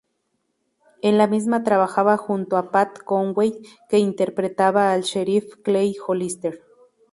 En la misma trabajaba junto a Pat Conway, que interpretaba al sheriff Clay Hollister.